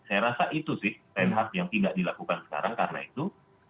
saya rasa itu sih reinhardt yang tidak dilakukan sekarang karena itu